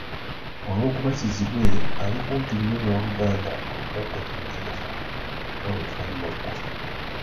Olw’okuba Kizibwe ali kumpi nnyo n’oluganda olugatta ku muziro gwo nga bwe tulabye waggulu,